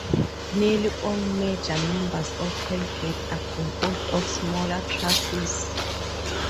Nearly all major members of Hell Gate are composed of smaller trusses.